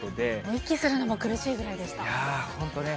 息するのも苦しいぐらいでしいやー、本当ね。